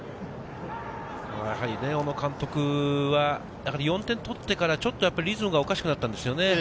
やはり小野監督は４点目を取ってから、ちょっとリズムがおかしくなったんですよね。